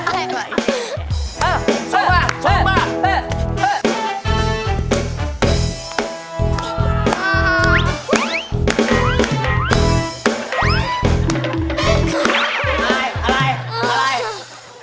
หน้านี้ฮิตเมื่อตอน๒๕ปีที่แล้ว